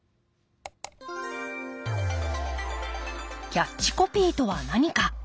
キャッチコピーとは何か？